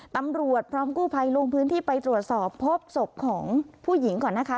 ตำรวจพร้อมกู้ภัยลงพื้นที่ไปตรวจสอบพบศพของผู้หญิงก่อนนะคะ